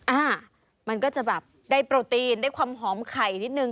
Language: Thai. อ่ามันก็จะแบบได้โปรตีนได้ความหอมไข่นิดนึง